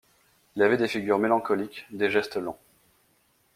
Ils avaient des figures mélancoliques, des gestes lents.